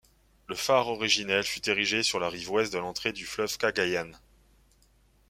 Le phare originel fut érigé sur la rive ouest de l'entrée du fleuve Cagayan.